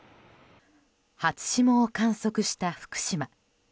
初霜を観測した福島。